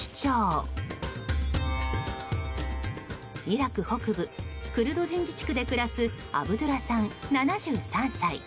イラク北部クルド人自治区で暮らすアブドゥラさん、７３歳。